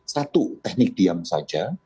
satu teknik diam saja